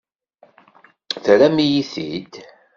Terram-iyi-t-id.